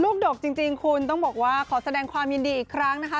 ดกจริงคุณต้องบอกว่าขอแสดงความยินดีอีกครั้งนะคะ